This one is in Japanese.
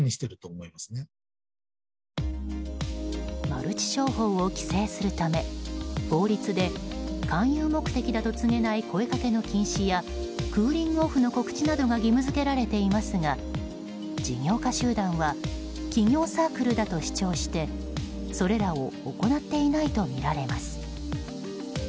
マルチ商法を規制するため法律で、勧誘目的だと告げない声掛けの禁止やクーリングオフの告知などが義務付けられていますが事業家集団は起業サークルだと主張してそれらを行っていないとみられます。